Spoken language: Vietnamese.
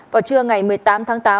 vào trưa ngày một mươi tám tháng tám